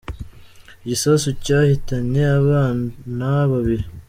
Igisasu cyahitanye abana babiri